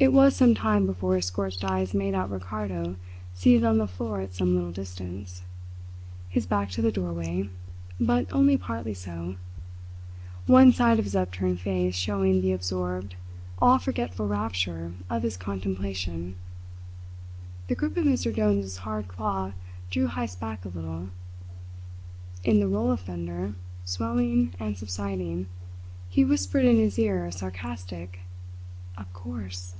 It was some time before his scorched eyes made out Ricardo seated on the floor at some little distance, his back to the doorway, but only partly so; one side of his upturned face showing the absorbed, all forgetful rapture of his contemplation. The grip of Mr. Jones's hard claw drew Heyst back a little. In the roll of thunder, swelling and subsiding, he whispered in his ear a sarcastic: "Of course!"